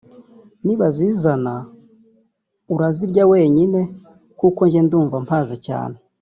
nibazizana urazirya wenyine kuko njye ndumva mpaze cyane